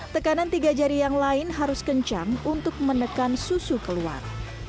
tekanan tiga jari yang lain harus kencang untuk menekan susu keluar